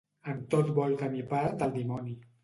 En tot vol tenir part el dimoni.